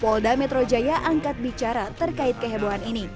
polda metro jaya angkat bicara terkaitnya